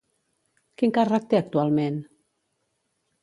Quin càrrec té actualment?